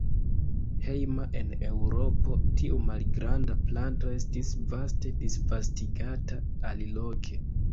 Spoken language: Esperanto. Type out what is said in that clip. Hejma en Eŭropo, tiu malgranda planto estis vaste disvastigata aliloke.